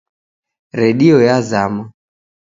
Redio yazama